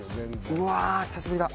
うわー久しぶりだ。